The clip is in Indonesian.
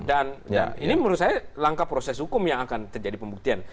dan ini menurut saya langkah proses hukum yang akan terjadi pembuktian